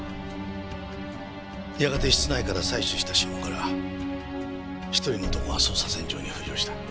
やがて室内から採取した指紋から１人の男が捜査線上に浮上した。